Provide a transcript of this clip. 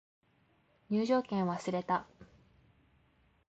入場券忘れた